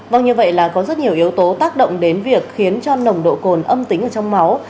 vâng như vậy là có rất nhiều yếu tố tác động đến việc khiến cho nồng độ cồn âm tính ở trong máu